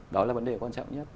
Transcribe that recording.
đó là vấn đề quan trọng nhất